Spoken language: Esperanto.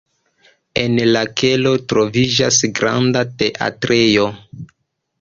En la kelo troviĝas granda teatrejo.